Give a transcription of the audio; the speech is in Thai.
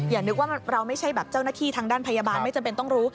อย่านึกว่าเราไม่ใช่แบบเจ้าหน้าที่ทางด้านพยาบาลไม่จำเป็นต้องรู้